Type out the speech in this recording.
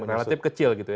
relatif kecil gitu ya